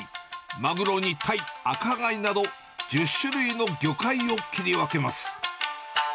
マグロにタイ、アカガイなど、１０種類の魚介を切り分けます。